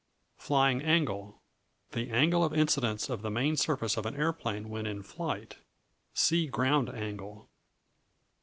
Flying Angle The angle of incidence of the main surface of an aeroplane when in flight. See Ground Angle.